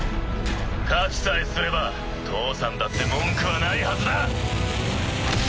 勝ちさえすれば父さんだって文句はないはずだ！